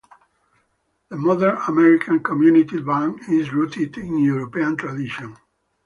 The modern American community band is rooted in European tradition.